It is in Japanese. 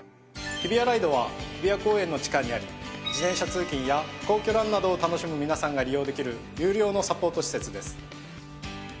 ＨＩＢＩＹＡＲＩＤＥは日比谷公園の地下にあり自転車通勤や皇居ランなどを楽しむ皆さんが利用できる有料のサポート施設です。